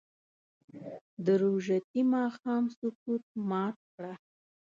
د روژتي ماښام سکوت مات کړه